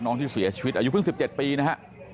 ที่เสียชีวิตอายุเพิ่ง๑๗ปีนะฮะ